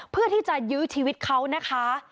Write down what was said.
เพื่อที่จะยื้อชีวิตเขานะคะ